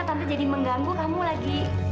tanpa jadi mengganggu kamu lagi